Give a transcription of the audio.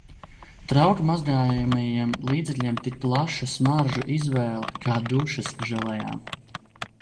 Trauku mazgājamajiem līdzekļiem tik plaša smaržu izvēle kā dušas želejām.